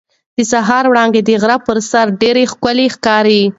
د سهار وړانګې د غره پر سر ډېرې ښکلې ښکاري.